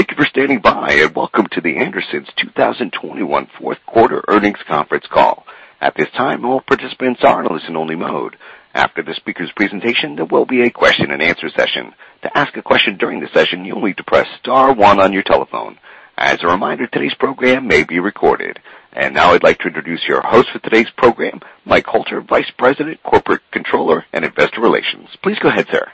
Thank you for standing by, and welcome to The Andersons' 2021 fourth quarter earnings conference call. At this time, all participants are in listen only mode. After the speaker's presentation, there will be a question and answer session. To ask a question during the session, you'll need to press star one on your telephone. As a reminder, today's program may be recorded. Now I'd like to introduce your host for today's program, Mike Hoelter, Vice President of Corporate Controller and Investor Relations. Please go ahead, sir.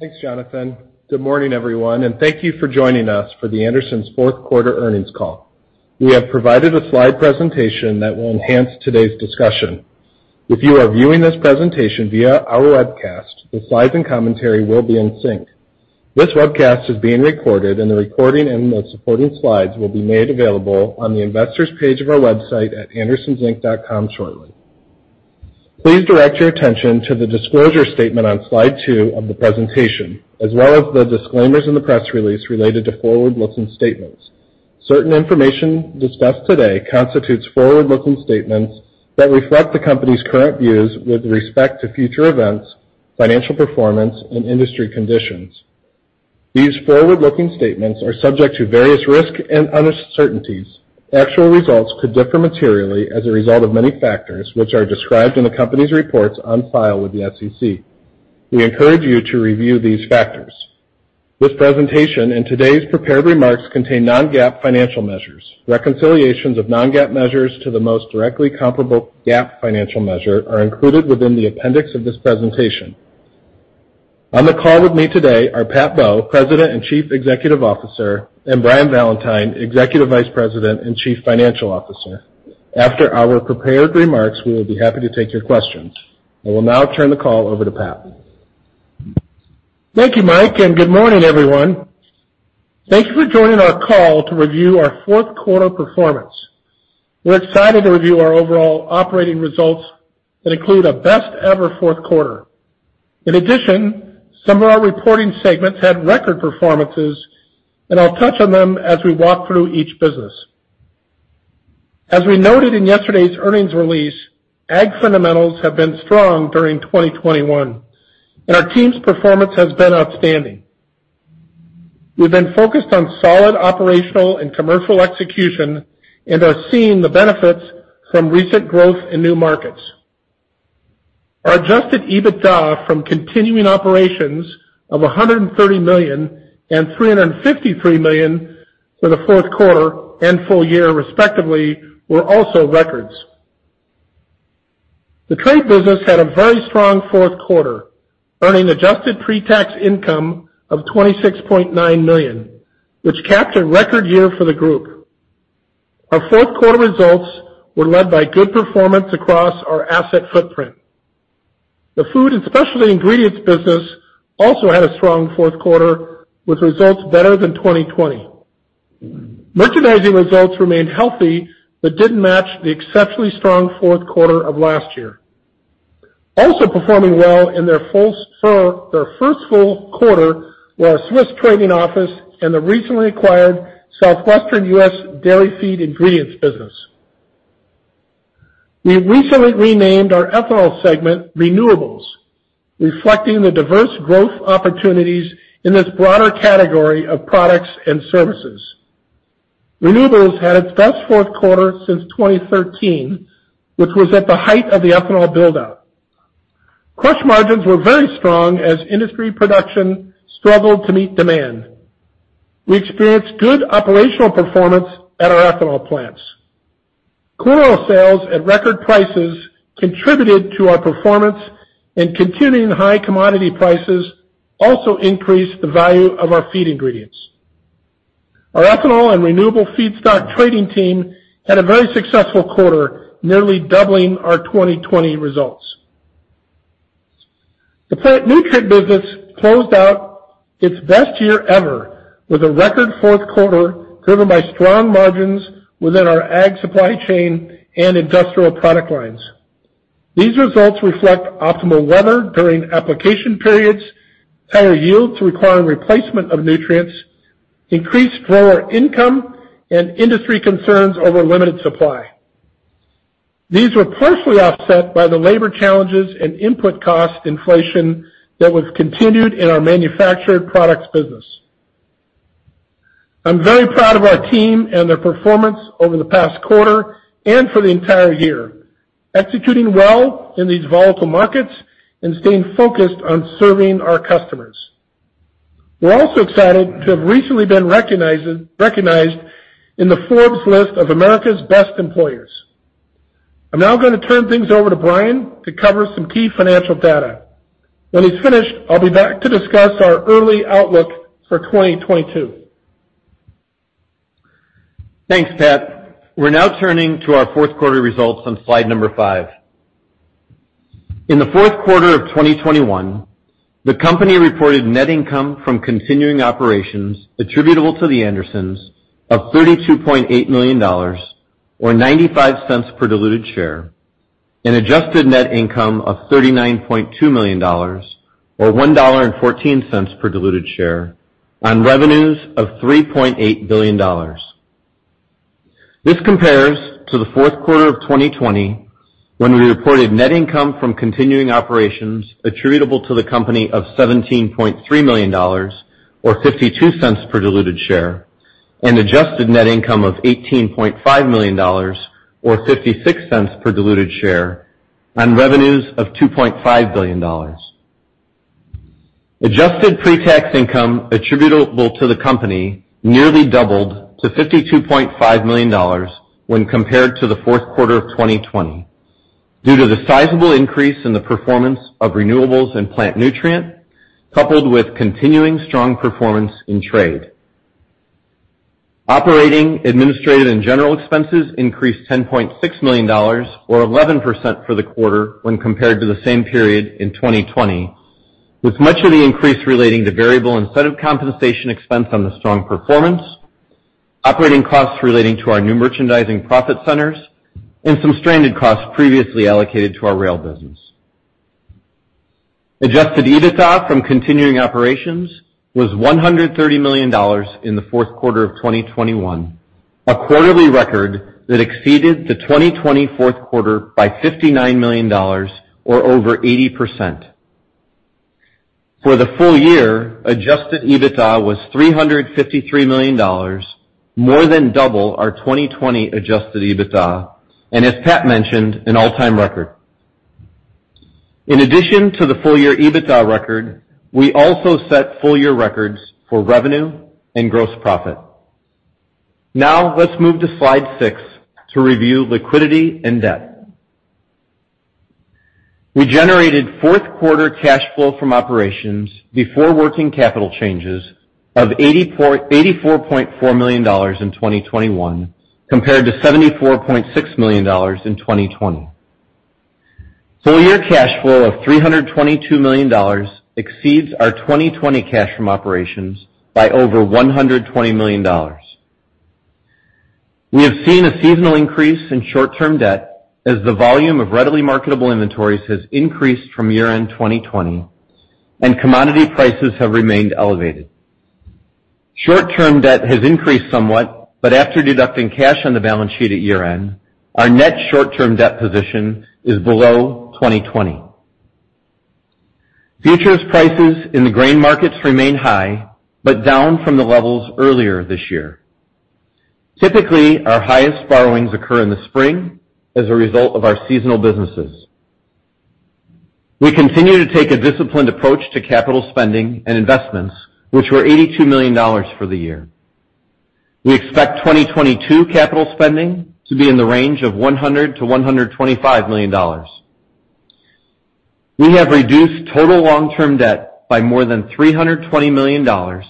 Thanks, Jonathan. Good morning, everyone, and thank you for joining us for The Andersons' fourth quarter earnings call. We have provided a slide presentation that will enhance today's discussion. If you are viewing this presentation via our webcast, the slides and commentary will be in sync. This webcast is being recorded and the recording and the supporting slides will be made available on the investors page of our website at andersonsinc.com shortly. Please direct your attention to the disclosure statement on slide two of the presentation, as well as the disclaimers in the press release related to forward-looking statements. Certain information discussed today constitutes forward-looking statements that reflect the company's current views with respect to future events, financial performance, and industry conditions. These forward-looking statements are subject to various risks and uncertainties. Actual results could differ materially as a result of many factors, which are described in the company's reports on file with the SEC. We encourage you to review these factors. This presentation and today's prepared remarks contain non-GAAP financial measures. Reconciliations of non-GAAP measures to the most directly comparable GAAP financial measure are included within the appendix of this presentation. On the call with me today are Pat Bowe, President and Chief Executive Officer, and Brian Valentine, Executive Vice President and Chief Financial Officer. After our prepared remarks, we will be happy to take your questions. I will now turn the call over to Pat. Thank you, Mike, and good morning, everyone. Thank you for joining our call to review our fourth quarter performance. We're excited to review our overall operating results that include a best ever fourth quarter. In addition, some of our reporting segments had record performances, and I'll touch on them as we walk through each business. As we noted in yesterday's earnings release, ag fundamentals have been strong during 2021, and our team's performance has been outstanding. We've been focused on solid operational and commercial execution and are seeing the benefits from recent growth in new markets. Our adjusted EBITDA from continuing operations of $130 million and $353 million for the fourth quarter and full year respectively were also records. The trade business had a very strong fourth quarter, earning adjusted pre-tax income of $26.9 million, which capped a record year for the group. Our fourth quarter results were led by good performance across our asset footprint. The food and specialty ingredients business also had a strong fourth quarter, with results better than 2020. Merchandising results remained healthy but didn't match the exceptionally strong fourth quarter of last year. Also performing well in their first full quarter were our Swiss trading office and the recently acquired southwestern U.S. Dairy Feed Ingredients business. We recently renamed our ethanol segment Renewables, reflecting the diverse growth opportunities in this broader category of products and services. Renewables had its best fourth quarter since 2013, which was at the height of the ethanol buildup. Crush margins were very strong as industry production struggled to meet demand. We experienced good operational performance at our ethanol plants. Corn oil sales at record prices contributed to our performance, and continuing high commodity prices also increased the value of our feed ingredients. Our ethanol and renewable feedstock trading team had a very successful quarter, nearly doubling our 2020 results. The plant nutrient business closed out its best year ever with a record fourth quarter, driven by strong margins within our Ag supply chain and industrial product lines. These results reflect optimal weather during application periods, higher yields requiring replacement of nutrients, increased grower income, and industry concerns over limited supply. These were partially offset by the labor challenges and input cost inflation that was continued in our manufactured products business. I'm very proud of our team and their performance over the past quarter and for the entire year, executing well in these volatile markets and staying focused on serving our customers. We're also excited to have recently been recognized in the Forbes list of America's best employers. I'm now gonna turn things over to Brian to cover some key financial data. When he's finished, I'll be back to discuss our early outlook for 2022. Thanks, Pat. We're now turning to our fourth quarter results on slide number five. In the fourth quarter of 2021, the company reported net income from continuing operations attributable to The Andersons of $32.8 million or $0.95 per diluted share, an adjusted net income of $39.2 million, or $1.14 per diluted share on revenues of $3.8 billion. This compares to the fourth quarter of 2020 when we reported net income from continuing operations attributable to the company of $17.3 million or $0.52 per diluted share, and adjusted net income of $18.5 million or $0.56 per diluted share on revenues of $2.5 billion. Adjusted pre-tax income attributable to the company nearly doubled to $52.5 million when compared to the fourth quarter of 2020 due to the sizable increase in the performance of Renewables and Plant Nutrient, coupled with continuing strong performance in Trade. Operating, administrative, and general expenses increased $10.6 million or 11% for the quarter when compared to the same period in 2020, with much of the increase relating to variable incentive compensation expense on the strong performance, operating costs relating to our new merchandising profit centers, and some stranded costs previously allocated to our rail business. Adjusted EBITDA from continuing operations was $130 million in the fourth quarter of 2021, a quarterly record that exceeded the 2020 fourth quarter by $59 million or over 80%. For the full year, adjusted EBITDA was $353 million, more than double our 2020 adjusted EBITDA, and as Pat mentioned, an all-time record. In addition to the full year EBITDA record, we also set full year records for revenue and gross profit. Now let's move to slide six to review liquidity and debt. We generated fourth quarter cash flow from operations before working capital changes of $84.4 million in 2021 compared to $74.6 million in 2020. Full year cash flow of $322 million exceeds our 2020 cash from operations by over $120 million. We have seen a seasonal increase in short-term debt as the volume of readily marketable inventories has increased from year-end 2020 and commodity prices have remained elevated. Short-term debt has increased somewhat, but after deducting cash on the balance sheet at year-end, our net short-term debt position is below 2020. Futures prices in the grain markets remain high, but down from the levels earlier this year. Typically, our highest borrowings occur in the spring as a result of our seasonal businesses. We continue to take a disciplined approach to capital spending and investments, which were $82 million for the year. We expect 2022 capital spending to be in the range of $100 million-$125 million. We have reduced total long-term debt by more than $320 million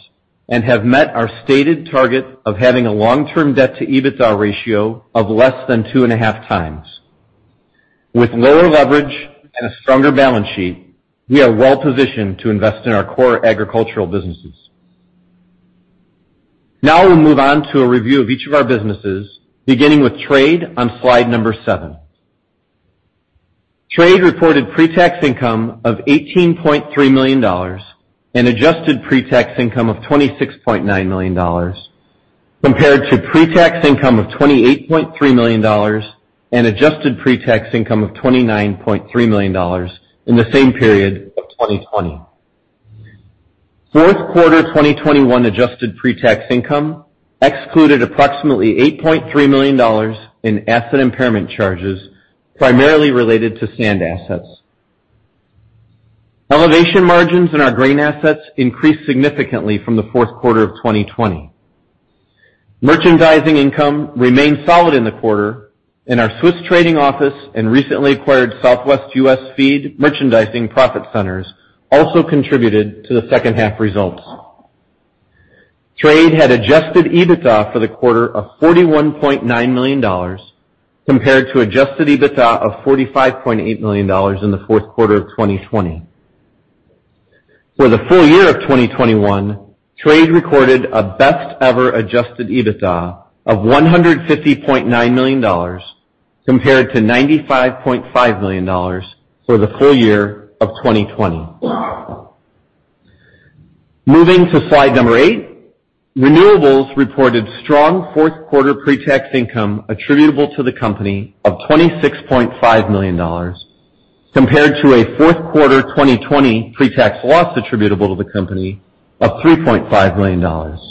and have met our stated target of having a long-term debt to EBITDA ratio of less than 2.5x. With lower leverage and a stronger balance sheet, we are well positioned to invest in our core agricultural businesses. Now we'll move on to a review of each of our businesses, beginning with trade on slide number seven. Trade reported pre-tax income of $18.3 million and adjusted pre-tax income of $26.9 million compared to pre-tax income of $28.3 million and adjusted pre-tax income of $29.3 million in the same period of 2020. Fourth quarter 2021 adjusted pre-tax income excluded approximately $8.3 million in asset impairment charges primarily related to sand assets. Elevation margins in our grain assets increased significantly from the fourth quarter of 2020. Merchandising income remained solid in the quarter, and our Swiss trading office and recently acquired Southwest U.S. Feed merchandising profit centers also contributed to the second half results. Trade had adjusted EBITDA for the quarter of $41.9 million compared to adjusted EBITDA of $45.8 million in the fourth quarter of 2020. For the full year of 2021, Trade recorded a best ever adjusted EBITDA of $150.9 million compared to $95.5 million for the full year of 2020. Moving to slide eight, Renewables reported strong fourth quarter pre-tax income attributable to the company of $26.5 million compared to a fourth quarter 2020 pre-tax loss attributable to the company of $3.5 million.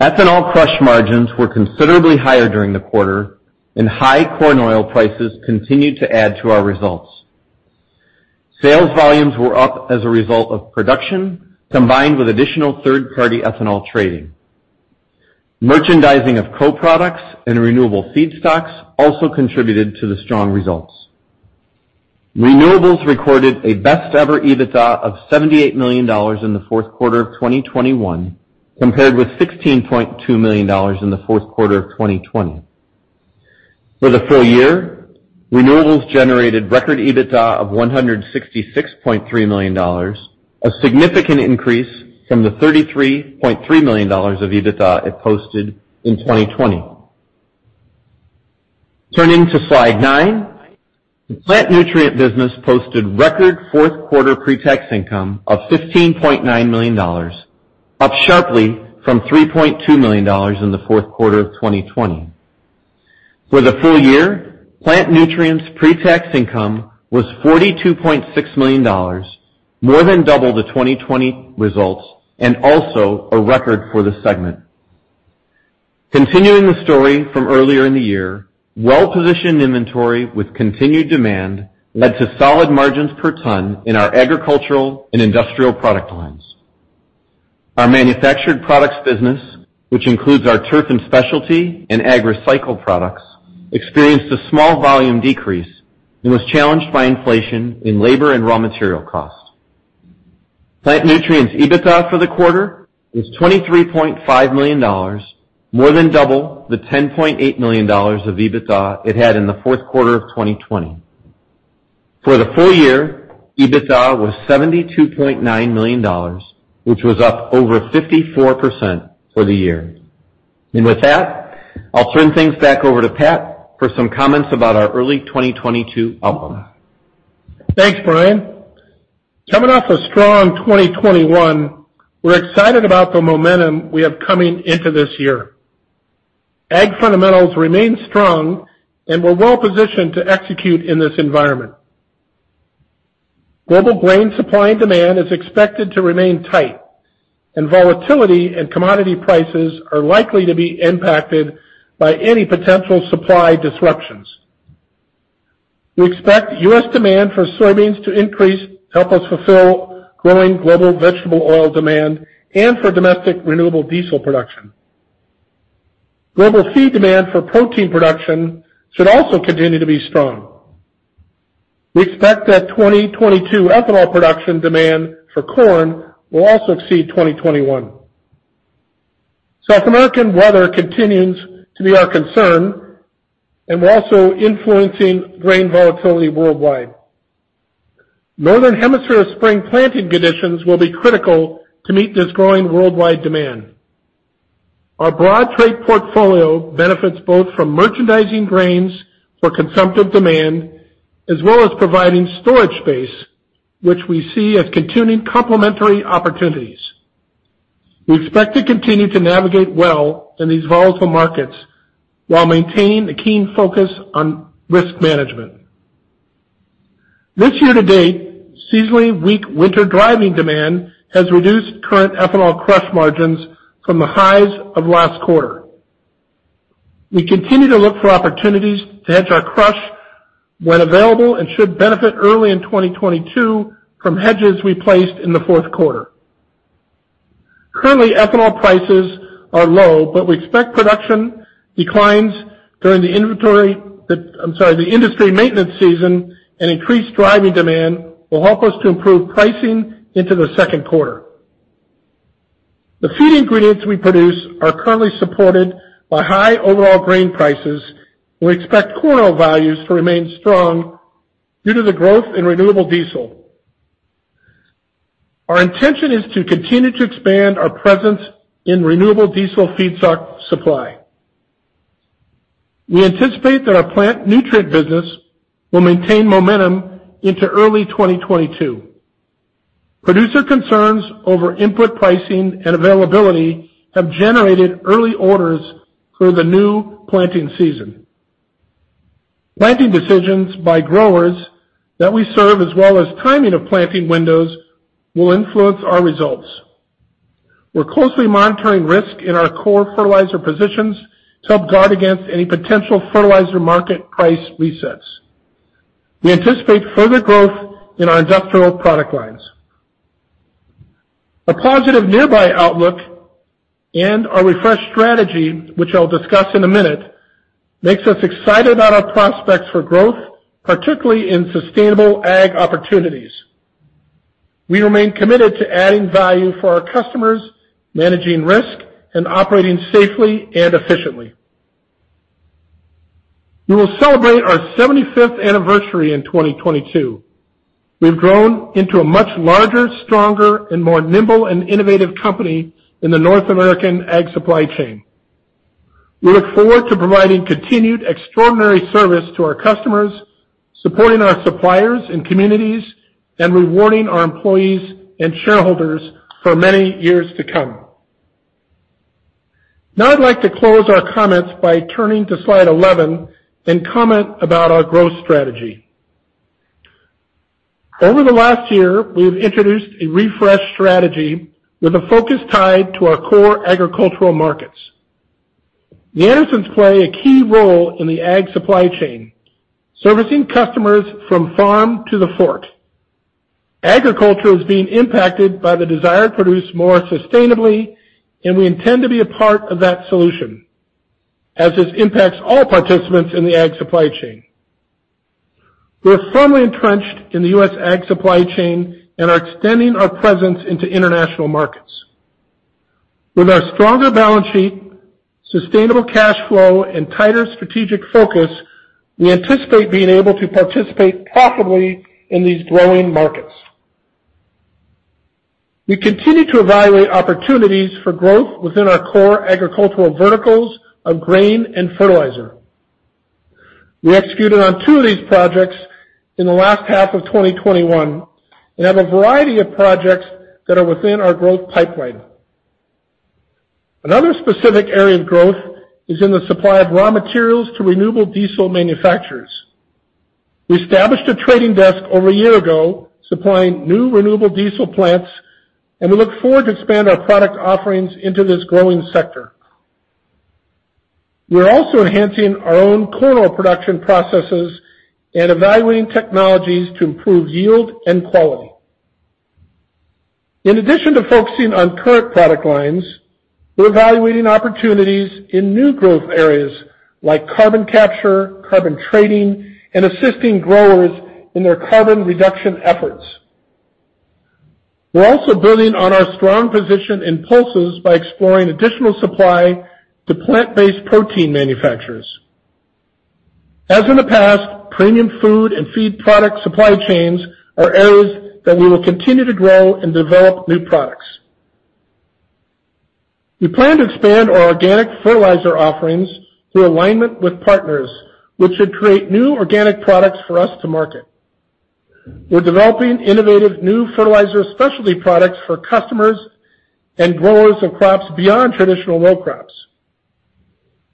Ethanol crush margins were considerably higher during the quarter, and high corn oil prices continued to add to our results. Sales volumes were up as a result of production combined with additional third-party ethanol trading. Merchandising of co-products and renewable feedstocks also contributed to the strong results. Renewables recorded a best ever EBITDA of $78 million in the fourth quarter of 2021 compared with $16.2 million in the fourth quarter of 2020. For the full year, Renewables generated record EBITDA of $166.3 million, a significant increase from the $33.3 million of EBITDA it posted in 2020. Turning to slide nine. The Plant Nutrient business posted record fourth quarter pre-tax income of $15.9 million, up sharply from $3.2 million in the fourth quarter of 2020. For the full year, Plant Nutrients pre-tax income was $42.6 million, more than double the 2020 results, and also a record for the segment. Continuing the story from earlier in the year, well-positioned inventory with continued demand led to solid margins per ton in our agricultural and industrial product lines. Our manufactured products business, which includes our turf and specialty and AgriCycle products, experienced a small volume decrease and was challenged by inflation in labor and raw material costs. Plant nutrients EBITDA for the quarter is $23.5 million, more than double the $10.8 million of EBITDA it had in the fourth quarter of 2020. For the full year, EBITDA was $72.9 million, which was up over 54% for the year. With that, I'll turn things back over to Pat for some comments about our early 2022 outlook. Thanks, Brian. Coming off a strong 2021, we're excited about the momentum we have coming into this year. Ag fundamentals remain strong, and we're well-positioned to execute in this environment. Global grain supply and demand is expected to remain tight, and volatility and commodity prices are likely to be impacted by any potential supply disruptions. We expect U.S. demand for soybeans to increase to help us fulfill growing global vegetable oil demand and for domestic renewable diesel production. Global feed demand for protein production should also continue to be strong. We expect that 2022 ethanol production demand for corn will also exceed 2021. South American weather continues to be our concern and we're also influencing grain volatility worldwide. Northern Hemisphere spring planting conditions will be critical to meet this growing worldwide demand. Our broad trade portfolio benefits both from merchandising grains for consumptive demand, as well as providing storage space, which we see as continuing complementary opportunities. We expect to continue to navigate well in these volatile markets while maintaining a keen focus on risk management. This year to date, seasonally weak winter driving demand has reduced current ethanol crush margins from the highs of last quarter. We continue to look for opportunities to hedge our crush when available, and should benefit early in 2022 from hedges we placed in the fourth quarter. Currently, ethanol prices are low, but we expect production declines during the industry maintenance season and increased driving demand will help us to improve pricing into the second quarter. The feed ingredients we produce are currently supported by high overall grain prices, and we expect corn oil values to remain strong due to the growth in renewable diesel. Our intention is to continue to expand our presence in renewable diesel feedstock supply. We anticipate that our plant nutrient business will maintain momentum into early 2022. Producer concerns over input pricing and availability have generated early orders for the new planting season. Planting decisions by growers that we serve, as well as timing of planting windows, will influence our results. We're closely monitoring risk in our core fertilizer positions to help guard against any potential fertilizer market price resets. We anticipate further growth in our industrial product lines. A positive nearby outlook and our refreshed strategy, which I'll discuss in a minute, makes us excited about our prospects for growth, particularly in sustainable ag opportunities. We remain committed to adding value for our customers, managing risk, and operating safely and efficiently. We will celebrate our 75th anniversary in 2022. We've grown into a much larger, stronger, and more nimble and innovative company in the North American ag supply chain. We look forward to providing continued extraordinary service to our customers, supporting our suppliers and communities, and rewarding our employees and shareholders for many years to come. Now, I'd like to close our comments by turning to slide 11 and comment about our growth strategy. Over the last year, we have introduced a refreshed strategy with a focus tied to our core agricultural markets. Andersons play a key role in the ag supply chain, servicing customers from farm to the fork. Agriculture is being impacted by the desire to produce more sustainably, and we intend to be a part of that solution as this impacts all participants in the ag supply chain. We are firmly entrenched in the U.S. ag supply chain and are extending our presence into international markets. With our stronger balance sheet, sustainable cash flow, and tighter strategic focus, we anticipate being able to participate profitably in these growing markets. We continue to evaluate opportunities for growth within our core agricultural verticals of grain and fertilizer. We executed on two of these projects in the last half of 2021, and have a variety of projects that are within our growth pipeline. Another specific area of growth is in the supply of raw materials to renewable diesel manufacturers. We established a trading desk over a year ago supplying new renewable diesel plants, and we look forward to expand our product offerings into this growing sector. We're also enhancing our own corn oil production processes and evaluating technologies to improve yield and quality. In addition to focusing on current product lines, we're evaluating opportunities in new growth areas like carbon capture, carbon trading, and assisting growers in their carbon reduction efforts. We're also building on our strong position in pulses by exploring additional supply to plant-based protein manufacturers. As in the past, premium food and feed product supply chains are areas that we will continue to grow and develop new products. We plan to expand our organic fertilizer offerings through alignment with partners, which should create new organic products for us to market. We're developing innovative new fertilizer specialty products for customers and growers of crops beyond traditional row crops.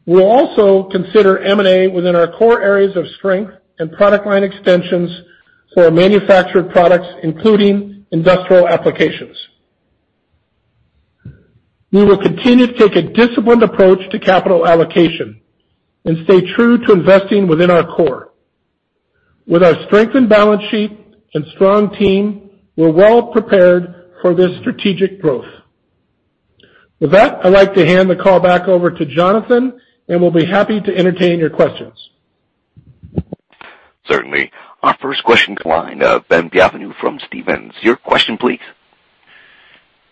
We'll also consider M&A within our core areas of strength and product line extensions for our manufactured products, including industrial applications. We will continue to take a disciplined approach to capital allocation and stay true to investing within our core. With our strengthened balance sheet and strong team, we're well prepared for this strategic growth. With that, I'd like to hand the call back over to Jonathan, and we'll be happy to entertain your questions. Certainly. Our first question comes online, Ben Bienvenu from Stephens, your question, please.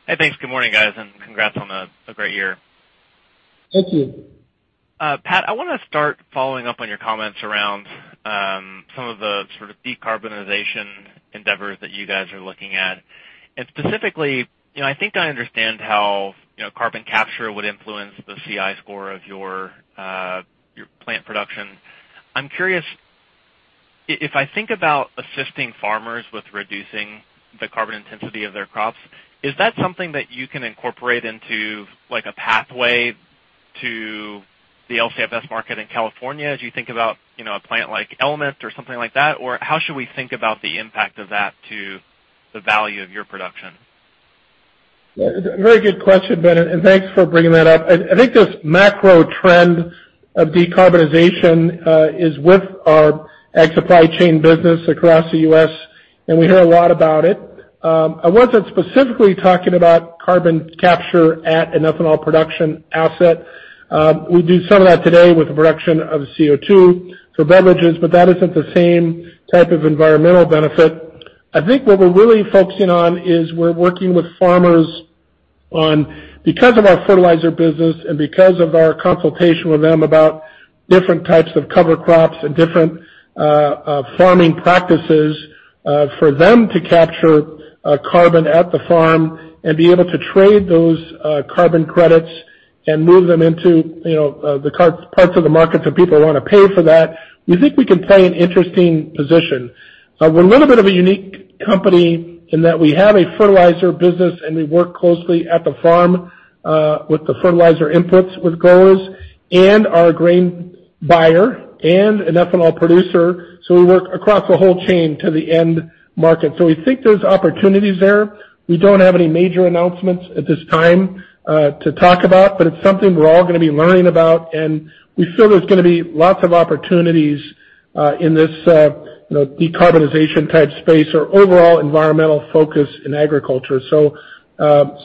Hi. Thanks. Good morning, guys, and congrats on a great year. Thank you. Pat, I wanna start following up on your comments around, some of the sort of decarbonization endeavors that you guys are looking at. Specifically, you know, I think I understand how, you know, carbon capture would influence the CI score of your plant production. I'm curious, if I think about assisting farmers with reducing the carbon intensity of their crops, is that something that you can incorporate into, like, a pathway to the LCFS market in California as you think about, you know, a plant like Element or something like that? Or how should we think about the impact of that to the value of your production? Yeah. A very good question, Ben, and thanks for bringing that up. I think this macro trend of decarbonization is within our ag supply chain business across the U.S., and we hear a lot about it. I wasn't specifically talking about carbon capture at an ethanol production asset. We do some of that today with the production of CO2 for beverages, but that isn't the same type of environmental benefit. I think what we're really focusing on is we're working with farmers on, because of our fertilizer business and because of our consultation with them about different types of cover crops and different farming practices, for them to capture carbon at the farm and be able to trade those carbon credits and move them into, you know, the carbon parts of the market that people wanna pay for that, we think we can play an interesting position. We're a little bit of a unique company in that we have a fertilizer business, and we work closely at the farm with the fertilizer inputs with growers and our grain buyer and an ethanol producer. We work across the whole chain to the end market. We think there's opportunities there. We don't have any major announcements at this time to talk about, but it's something we're all gonna be learning about. We feel there's gonna be lots of opportunities in this you know, decarbonization type space or overall environmental focus in agriculture.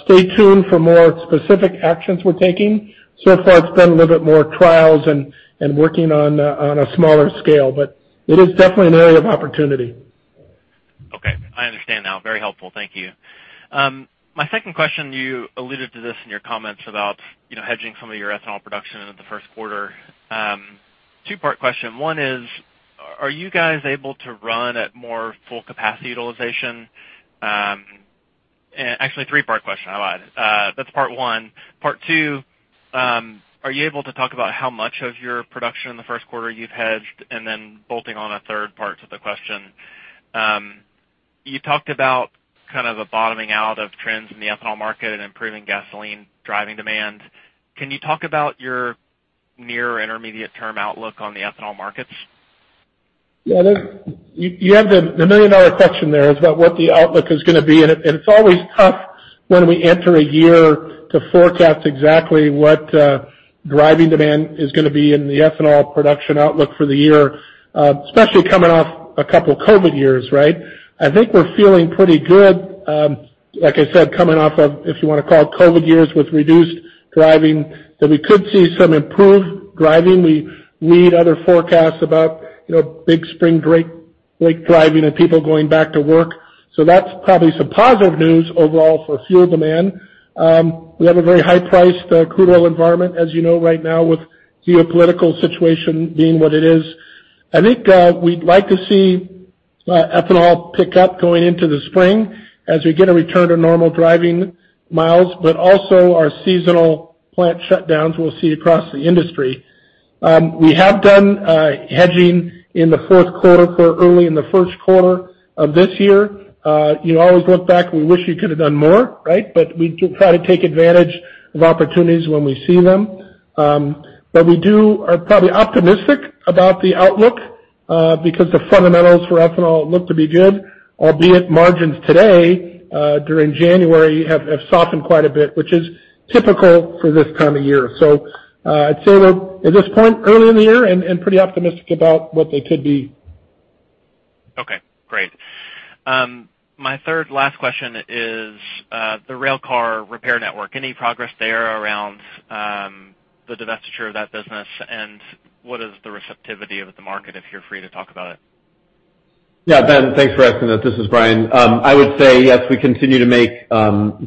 Stay tuned for more specific actions we're taking. So far, it's been a little bit more trials and working on a smaller scale, but it is definitely an area of opportunity. Okay. I understand now. Very helpful. Thank you. My second question, you alluded to this in your comments about, you know, hedging some of your ethanol production into the first quarter. Two-part question. One is, are you guys able to run at more full capacity utilization? Actually, a three-part question. I lied. That's part one. Part two, are you able to talk about how much of your production in the first quarter you've hedged? Then bolting on a third part to the question, you talked about kind of a bottoming out of trends in the ethanol market and improving gasoline driving demand. Can you talk about your near or intermediate term outlook on the ethanol markets? You have the million-dollar question there. It's about what the outlook is gonna be. It's always tough when we enter a year to forecast exactly what driving demand is gonna be in the ethanol production outlook for the year, especially coming off a couple of COVID years, right? I think we're feeling pretty good, like I said, coming off of, if you wanna call it COVID years with reduced driving, that we could see some improved driving. We read other forecasts about, you know, big spring break, like driving and people going back to work. That's probably some positive news overall for fuel demand. We have a very high-priced crude oil environment, as you know, right now with the geopolitical situation being what it is. I think we'd like to see ethanol pick up going into the spring as we get a return to normal driving miles, but also our seasonal plant shutdowns we'll see across the industry. We have done hedging in the fourth quarter for early in the first quarter of this year. You always look back. We wish we could have done more, right? We do try to take advantage of opportunities when we see them. We are probably optimistic about the outlook because the fundamentals for ethanol look to be good, albeit margins today during January have softened quite a bit, which is typical for this time of year. I'd say we're at this point early in the year and pretty optimistic about what they could be. Okay, great. My third last question is the railcar repair network. Any progress there around the divestiture of that business? And what is the receptivity of the market if you're free to talk about it? Yeah, Ben, thanks for asking that. This is Brian. I would say, yes, we continue to make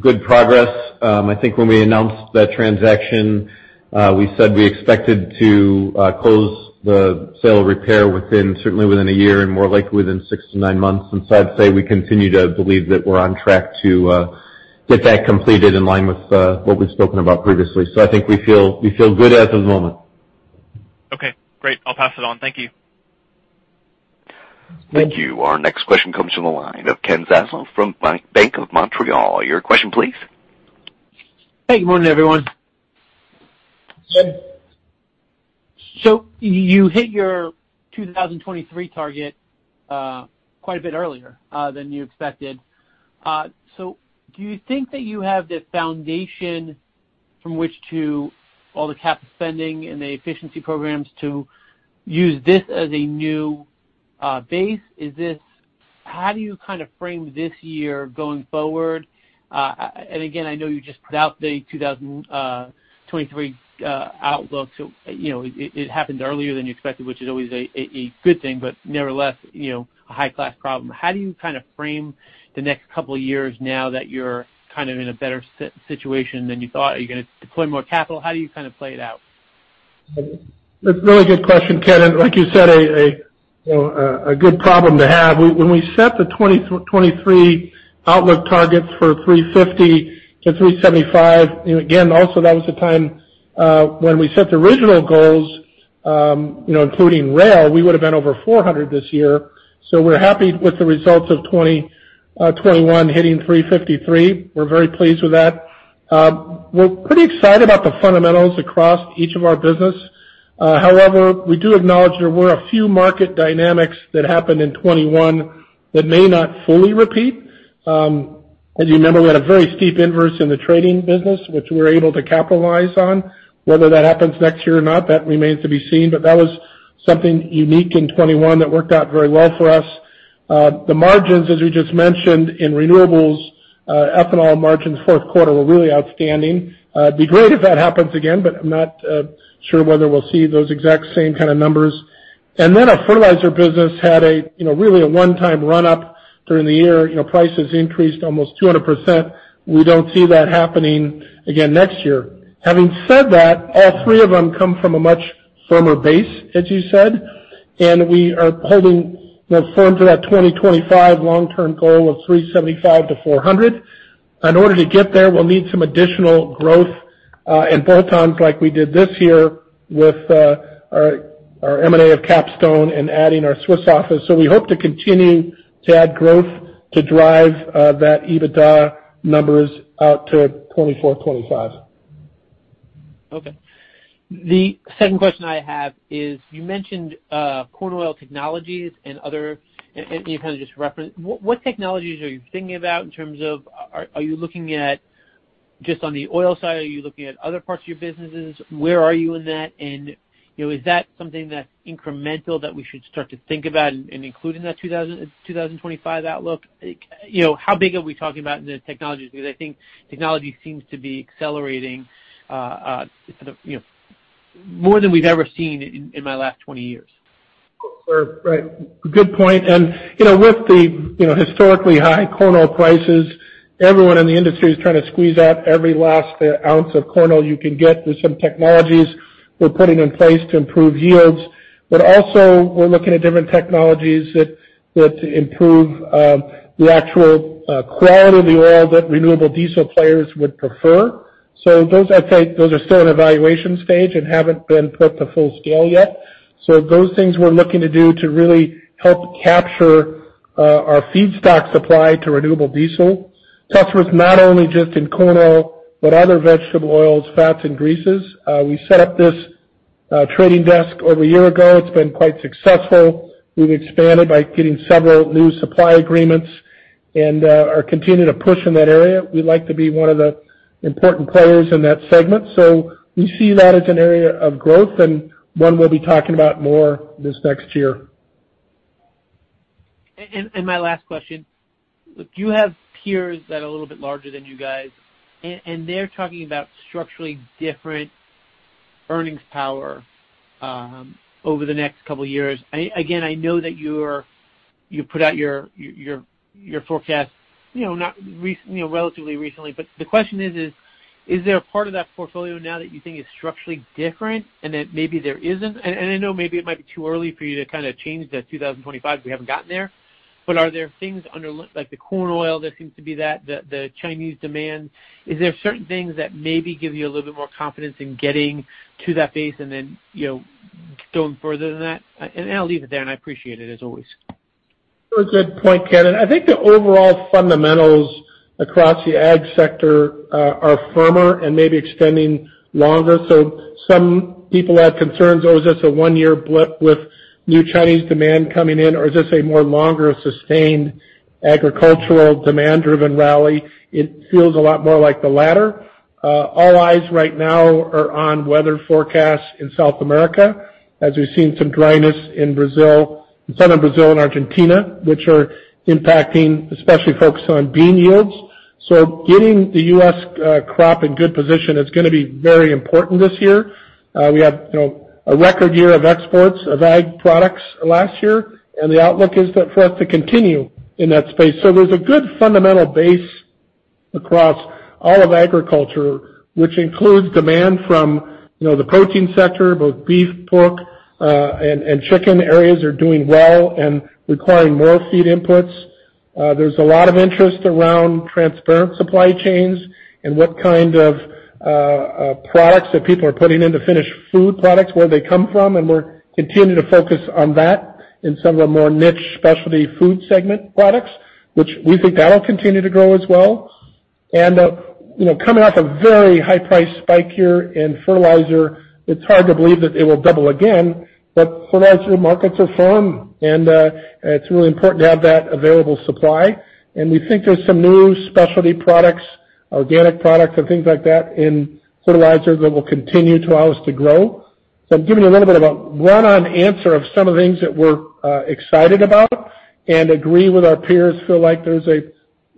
good progress. I think when we announced that transaction, we said we expected to close the sale repair within, certainly within a year and more likely within six to nine months. I'd say we continue to believe that we're on track to get that completed in line with what we've spoken about previously. I think we feel good at the moment. Okay, great. I'll pass it on. Thank you. Thank you. Our next question comes from the line of Kenneth Zaslow from Bank of Montreal, your question, please. Hey, good morning, everyone. Ken. You hit your 2023 target quite a bit earlier than you expected. Do you think that you have the foundation from which to allocate the cap spending and the efficiency programs to use this as a new base? How do you kind of frame this year going forward? And again, I know you just put out the 2023 outlook too, you know, it happened earlier than you expected, which is always a good thing, but nevertheless, you know, a high-class problem. How do you kind of frame the next couple of years now that you're kind of in a better situation than you thought? Are you gonna deploy more capital? How do you kind of play it out? That's a really good question, Ken, and like you said, you know, a good problem to have. When we set the 2023 outlook targets for $350-$375, you know, again, also that was the time when we set the original goals, you know, including rail, we would have been over $400 this year. So we're happy with the results of 2021 hitting $353. We're very pleased with that. We're pretty excited about the fundamentals across each of our business. However, we do acknowledge there were a few market dynamics that happened in 2021 that may not fully repeat. As you remember, we had a very steep inverse in the trading business, which we were able to capitalize on. Whether that happens next year or not, that remains to be seen. That was something unique in 2021 that worked out very well for us. The margins, as we just mentioned in Renewables, ethanol margins, fourth quarter were really outstanding. It'd be great if that happens again, but I'm not sure whether we'll see those exact same kind of numbers. Then our fertilizer business had a, you know, really a one-time run up during the year. You know, prices increased almost 200%. We don't see that happening again next year. Having said that, all three of them come from a much firmer base, as you said, and we are holding, you know, firm to that 2025 long-term goal of 375-400. In order to get there, we'll need some additional growth, and bolt-ons like we did this year with our M&A of Capstone and adding our Swiss office. We hope to continue to add growth to drive that EBITDA numbers out to 24-25. Okay. The second question I have is, you mentioned corn oil technologies and other. And you kind of just referenced. What technologies are you thinking about in terms of, are you looking at just on the oil side? Are you looking at other parts of your businesses? Where are you in that? You know, is that something that's incremental that we should start to think about and include in that 2025 outlook? You know, how big are we talking about in the technologies? Because I think technology seems to be accelerating sort of, you know, more than we've ever seen in my last 20 years. Sure. Right. Good point. You know, with the you know, historically high corn oil prices, everyone in the industry is trying to squeeze out every last ounce of corn oil you can get. There's some technologies we're putting in place to improve yields. We're also looking at different technologies that improve the actual quality of the oil that renewable diesel players would prefer. Those, I'd say, are still in evaluation stage and haven't been put to full scale yet. Those things we're looking to do to really help capture our feedstock supply to renewable diesel. Tusker is not only just in corn oil, but other vegetable oils, fats, and greases. We set up this trading desk over a year ago. It's been quite successful. We've expanded by getting several new supply agreements and are continuing to push in that area. We'd like to be one of the important players in that segment. We see that as an area of growth and one we'll be talking about more this next year. My last question. You have peers that are a little bit larger than you guys, and they're talking about structurally different earnings power over the next couple of years. I know that you put out your forecast, you know, not recent, relatively recently. But the question is there a part of that portfolio now that you think is structurally different and that maybe there isn't? I know maybe it might be too early for you to kinda change the 2025, we haven't gotten there. But are there things under, like the corn oil that seems to be that, the Chinese demand? Is there certain things that maybe give you a little bit more confidence in getting to that base and then, you know, going further than that? I'll leave it there, and I appreciate it, as always. Well, good point, Ken. I think the overall fundamentals across the ag sector are firmer and maybe extending longer. Some people have concerns, is this a one-year blip with new Chinese demand coming in, or is this a more longer sustained agricultural demand-driven rally? It feels a lot more like the latter. All eyes right now are on weather forecasts in South America, as we've seen some dryness in Brazil, in southern Brazil and Argentina, which are impacting especially soybean yields. Getting the U.S. crop in good position is gonna be very important this year. We have, you know, a record year of exports of ag products last year, and the outlook is for us to continue in that space. There's a good fundamental base across all of agriculture, which includes demand from, you know, the protein sector. Both beef, pork, and chicken areas are doing well and requiring more feed inputs. There's a lot of interest around transparent supply chains and what kind of products that people are putting into finished food products, where they come from, and we're continuing to focus on that in some of the more niche specialty food segment products, which we think that'll continue to grow as well. You know, coming off a very high price spike here in fertilizer, it's hard to believe that it will double again. But fertilizer markets are firm, and it's really important to have that available supply. We think there's some new specialty products, organic products and things like that in fertilizer that will continue to allow us to grow. I'm giving you a little bit of a run-on answer of some of the things that we're excited about and agree with our peers, feel like there's a,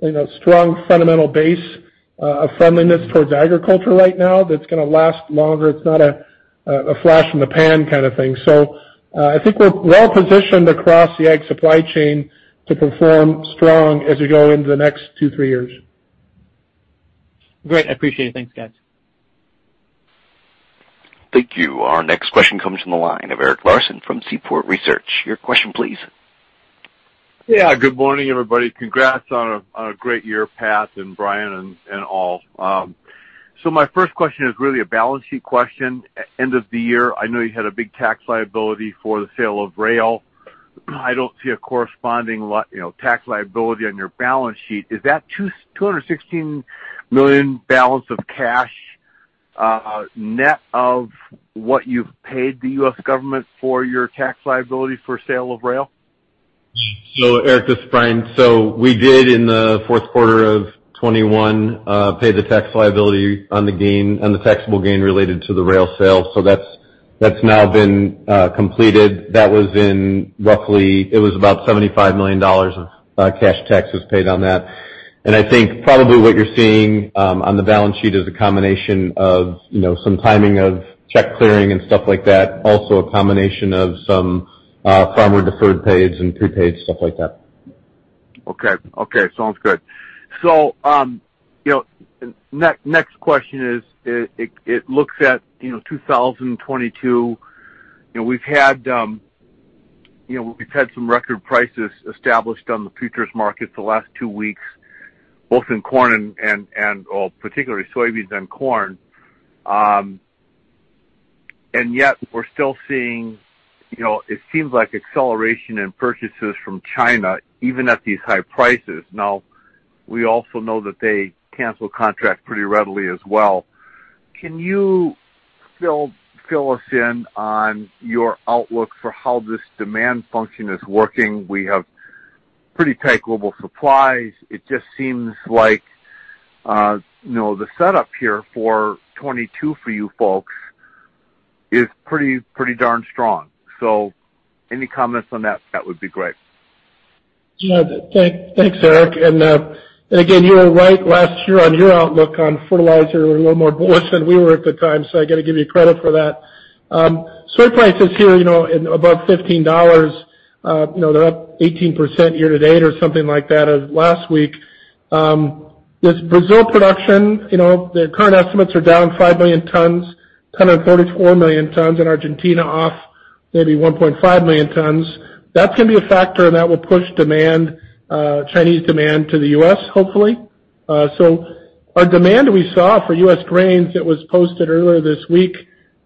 you know, strong fundamental base of friendliness towards agriculture right now that's gonna last longer. It's not a flash in the pan kind of thing. I think we're well positioned across the ag supply chain to perform strong as we go into the next two-three years. Great, I appreciate it. Thanks, guys. Thank you. Our next question comes from the line of Eric Larson from Seaport Research, your question please. Yeah, good morning, everybody. Congrats on a great year, Pat and Brian and all. My first question is really a balance sheet question. End of the year, I know you had a big tax liability for the sale of rail. I don't see a corresponding, you know, tax liability on your balance sheet. Is that $216 million balance of cash, net of what you've paid the U.S. government for your tax liability for sale of rail? Erik, this is Brian. We did in the fourth quarter of 2021 pay the tax liability on the gain, on the taxable gain related to the rail sale. That's now been completed. That was roughly $75 million of cash taxes paid on that. I think probably what you're seeing on the balance sheet is a combination of, you know, some timing of check clearing and stuff like that, also a combination of some farmer deferred pays and prepay, stuff like that. Okay. Sounds good. Next question is, it looks at 2022. You know, we've had some record prices established on the futures market the last two weeks, particularly soybeans and corn. And yet we're still seeing, you know, it seems like acceleration in purchases from China even at these high prices. Now, we also know that they cancel contracts pretty readily as well. Can you fill us in on your outlook for how this demand function is working? We have pretty tight global supplies. It just seems like, you know, the setup here for 2022 for you folks is pretty darn strong. Any comments on that would be great. Thanks, Erik. Again, you were right last year on your outlook on fertilizer. You were a little more bullish than we were at the time, so I gotta give you credit for that. Soy prices here are above $15, they're up 18% year to date or something like that as of last week. This Brazilian production, the current estimates are down five million tons to 134 million tons, off maybe 1.5 million tons in Argentina. That's gonna be a factor and that will push demand, Chinese demand to the U.S., hopefully. Our demand we saw for U.S. grains that was posted earlier this week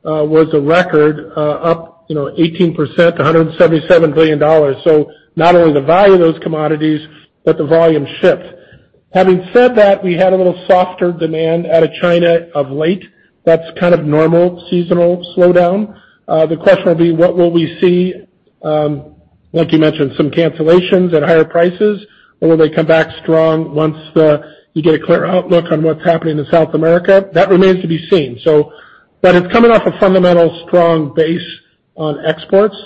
was a record, up 18% to $177 billion. Not only the value of those commodities, but the volume shipped. Having said that, we had a little softer demand out of China of late. That's kind of normal seasonal slowdown. The question will be, what will we see, like you mentioned, some cancellations at higher prices, or will they come back strong once you get a clearer outlook on what's happening in South America? That remains to be seen. It's coming off a fundamental strong base on exports.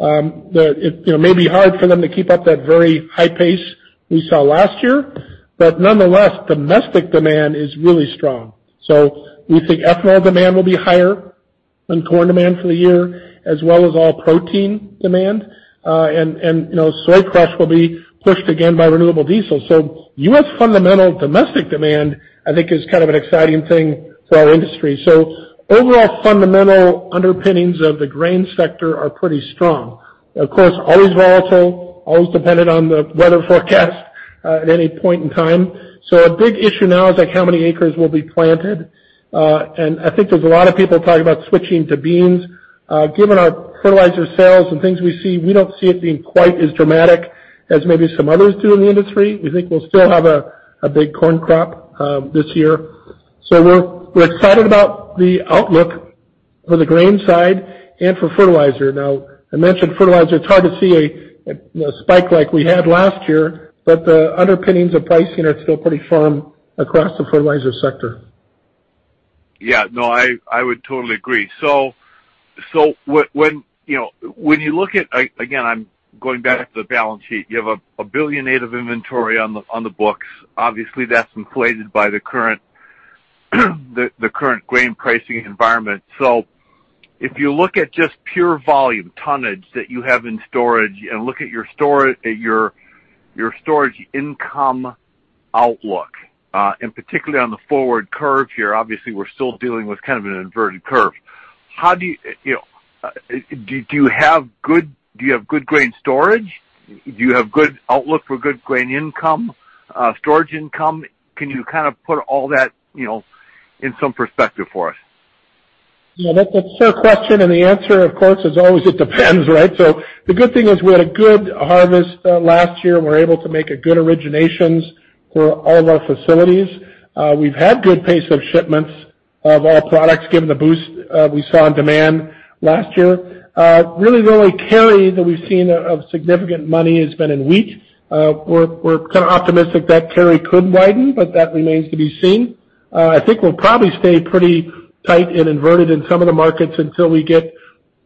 You know, it may be hard for them to keep up that very high pace we saw last year, but nonetheless, domestic demand is really strong. We think ethanol demand will be higher and corn demand for the year as well as all protein demand. You know, soy crush will be pushed again by renewable diesel. U.S. fundamental domestic demand, I think is kind of an exciting thing for our industry. Overall fundamental underpinnings of the grain sector are pretty strong. Of course, always volatile, always dependent on the weather forecast at any point in time. A big issue now is like how many acres will be planted. I think there's a lot of people talking about switching to beans. Given our fertilizer sales and things we see, we don't see it being quite as dramatic as maybe some others do in the industry. We think we'll still have a big corn crop this year. We're excited about the outlook for the grain side and for fertilizer. Now, I mentioned fertilizer. It's hard to see a spike like we had last year, but the underpinnings of pricing are still pretty firm across the fertilizer sector. Yeah. No, I would totally agree. When you know, when you look at. Again, I'm going back to the balance sheet. You have $1 billion net inventory on the books. Obviously, that's inflated by the current grain pricing environment. If you look at just pure volume tonnage that you have in storage and look at your storage income outlook, and particularly on the forward curve here, obviously we're still dealing with kind of an inverted curve. How do you know, have good grain storage? Do you have good outlook for good grain income, storage income? Can you kind of put all that, you know, in some perspective for us? Yeah, that's a fair question, and the answer, of course, is always it depends, right? The good thing is we had a good harvest last year, and we're able to make a good originations for all of our facilities. We've had good pace of shipments of all products given the boost we saw in demand last year. Really the only carry that we've seen of significant money has been in wheat. We're kind of optimistic that carry could widen, but that remains to be seen. I think we'll probably stay pretty tight and inverted in some of the markets until we get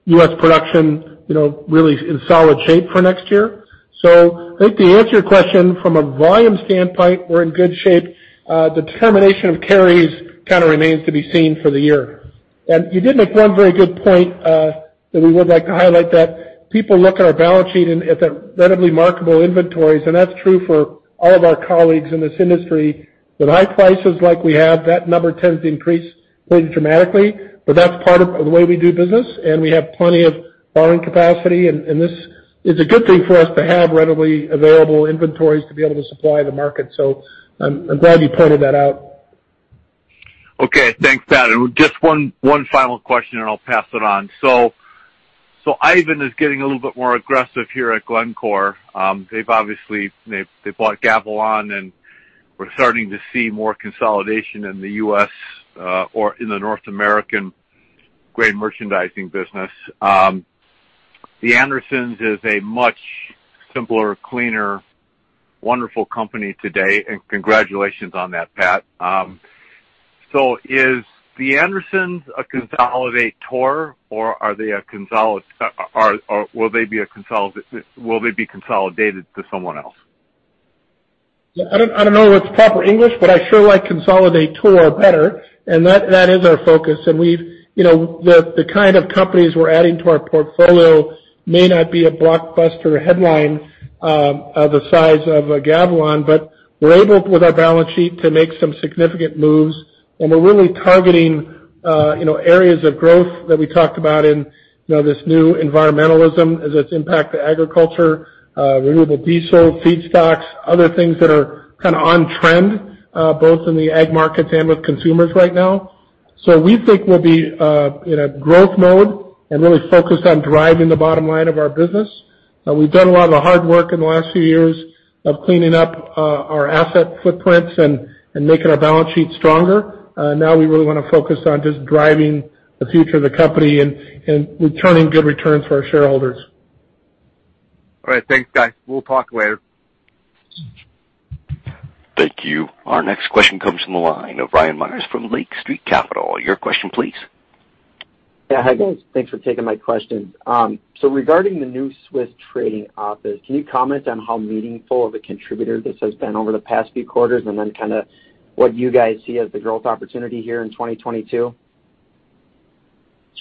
U.S. production, you know, really in solid shape for next year. I think to answer your question, from a volume standpoint, we're in good shape. The determination of carries kinda remains to be seen for the year. You did make one very good point, that we would like to highlight that people look at our balance sheet and at the readily marketable inventories, and that's true for all of our colleagues in this industry. With high prices like we have, that number tends to increase pretty dramatically, but that's part of the way we do business, and we have plenty of borrowing capacity. This is a good thing for us to have readily available inventories to be able to supply the market. I'm glad you pointed that out. Okay. Thanks, Pat. Just one final question, and I'll pass it on. Ivan is getting a little bit more aggressive here at Glencore. They bought Gavilon, and we're starting to see more consolidation in the U.S., or in the North American grain merchandising business. The Andersons is a much simpler, cleaner, wonderful company today, and congratulations on that, Pat. Is The Andersons a consolidator or will they be consolidated to someone else? I don't know if it's proper English, but I sure like consolidator better, and that is our focus. We've, you know, the kind of companies we're adding to our portfolio may not be a blockbuster headline of the size of a Gavilon, but we're able, with our balance sheet, to make some significant moves. We're really targeting, you know, areas of growth that we talked about in, you know, this new environmentalism as its impact to agriculture, renewable diesel, feedstocks, other things that are kinda on trend, both in the ag markets and with consumers right now. We think we'll be in a growth mode and really focused on driving the bottom line of our business. We've done a lot of the hard work in the last few years of cleaning up our asset footprints and making our balance sheet stronger. Now we really wanna focus on just driving the future of the company and returning good returns for our shareholders. All right. Thanks, guys. We'll talk later. Thank you. Our next question comes from the line of Ryan Meyers from Lake Street Capital, your question, please. Yeah. Hi, guys. Thanks for taking my questions. Regarding the new Swiss trading office, can you comment on how meaningful of a contributor this has been over the past few quarters and then kinda what you guys see as the growth opportunity here in 2022?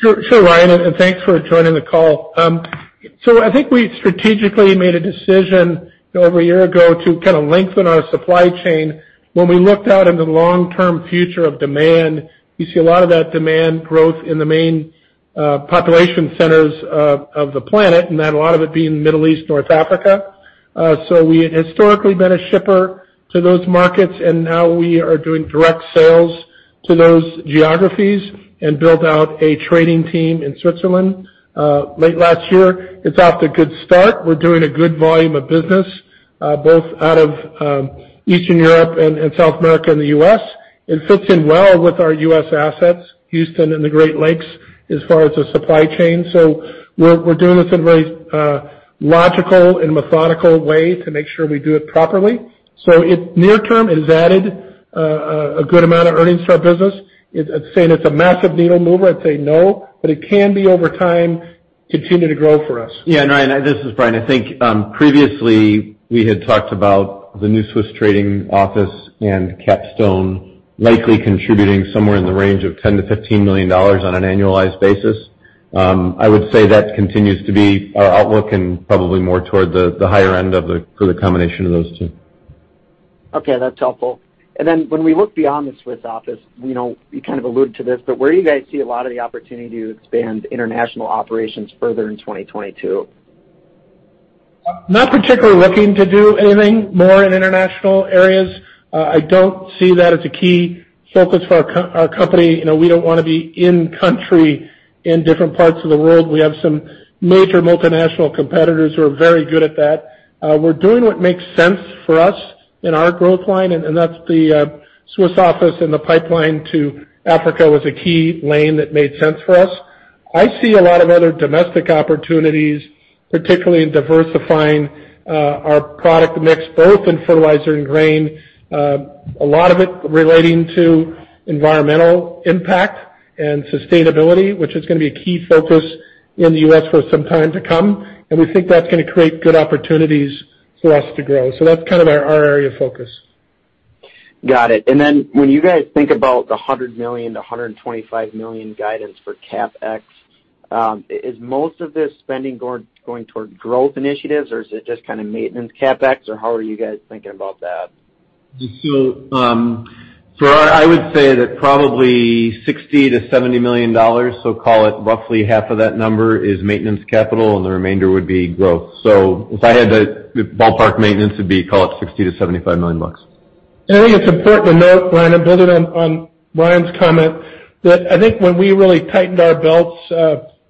Sure. Sure, Ryan, and thanks for joining the call. I think we strategically made a decision over a year ago to kinda lengthen our supply chain. When we looked out into the long-term future of demand, you see a lot of that demand growth in the main population centers of the planet, and then a lot of it being in Middle East, North Africa. We had historically been a shipper to those markets, and now we are doing direct sales to those geographies and built out a trading team in Switzerland late last year. It's off to a good start. We're doing a good volume of business both out of Eastern Europe and South America and the U.S. It fits in well with our U.S. assets, Houston and the Great Lakes, as far as the supply chain. We're doing this in very logical and methodical way to make sure we do it properly. Near term, it has added a good amount of earnings to our business. If saying it's a massive needle mover, I'd say no. It can be over time continue to grow for us. Yeah. Ryan, this is Brian. I think previously we had talked about the new Swiss trading office and Capstone likely contributing somewhere in the range of $10 million-$15 million on an annualized basis. I would say that continues to be our outlook and probably more toward the higher end of the for the combination of those two. Okay, that's helpful. When we look beyond the Swiss office, you know, you kind of alluded to this, but where do you guys see a lot of the opportunity to expand international operations further in 2022? Not particularly looking to do anything more in international areas. I don't see that as a key focus for our company. You know, we don't wanna be in country in different parts of the world. We have some major multinational competitors who are very good at that. We're doing what makes sense for us in our growth line, and that's the Swiss office and the pipeline to Africa was a key lane that made sense for us. I see a lot of other domestic opportunities, particularly in diversifying our product mix, both in fertilizer and grain. A lot of it relating to environmental impact and sustainability, which is gonna be a key focus in the U.S. for some time to come, and we think that's gonna create good opportunities for us to grow. That's kind of our area of focus. Got it. When you guys think about the $100 million-$125 million guidance for CapEx, is most of this spending going toward growth initiatives, or is it just kind of maintenance CapEx? How are you guys thinking about that? I would say that probably $60 million-$70 million, so call it roughly half of that number, is maintenance capital, and the remainder would be growth. If I had to ballpark maintenance, it'd be call it $60 million-$75 million. I think it's important to note, Ryan, and building on Ryan's comment, that I think when we really tightened our belts,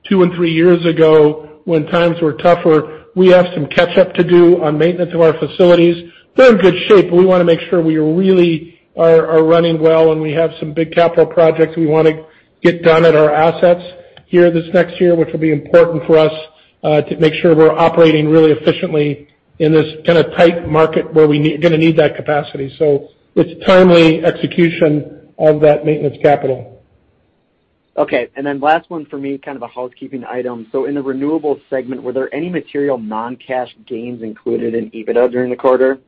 two or three years ago when times were tougher, we have some catch up to do on maintenance of our facilities. They're in good shape. We wanna make sure we really are running well, and we have some big capital projects we wanna get done at our assets here this next year, which will be important for us, to make sure we're operating really efficiently in this kinda tight market where we gonna need that capacity. It's timely execution of that maintenance capital. Okay. Then last one for me, kind of a housekeeping item. In the Renewables segment, were there any material non-cash gains included in EBITDA during the quarter?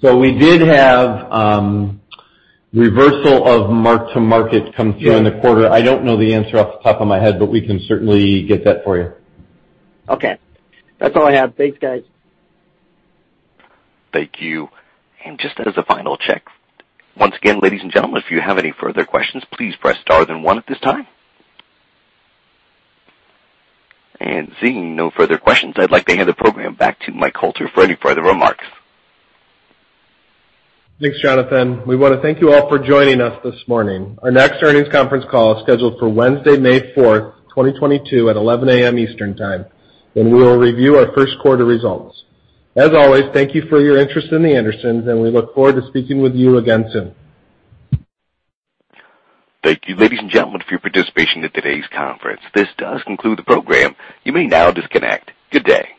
We did have reversal of mark-to-market come through in the quarter. I don't know the answer off the top of my head, but we can certainly get that for you. Okay. That's all I have. Thanks, guys. Thank you. Just as a final check. Once again, ladies and gentlemen, if you have any further questions, please press star then one at this time. Seeing no further questions, I'd like to hand the program back to Mike Hoelter for any further remarks. Thanks, Jonathan. We wanna thank you all for joining us this morning. Our next earnings conference call is scheduled for Wednesday, May 4, 2022 at 11 A.M. Eastern Time, when we will review our first quarter results. As always, thank you for your interest in The Andersons, and we look forward to speaking with you again soon. Thank you, ladies and gentlemen, for your participation in today's conference. This does conclude the program, you may now disconnect. Good day.